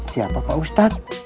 siapa pak ustadz